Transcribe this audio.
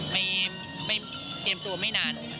ไม่เตรียมตัวไม่นาน